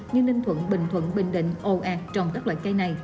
như ninh thuận bình thuận bình định âu ạc trồng các loại cây này